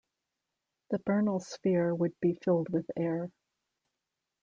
The Bernal sphere would be filled with air.